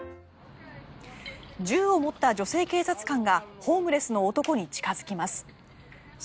銃を持った女性警察官がホームレスの男に近付きます。